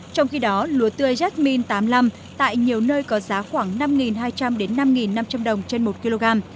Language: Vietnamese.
trong khi đó lúa tươi jakmine tám mươi năm tại nhiều nơi có giá khoảng năm hai trăm linh năm năm trăm linh đồng trên một kg